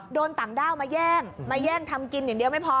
ต่างด้าวมาแย่งมาแย่งทำกินอย่างเดียวไม่พอ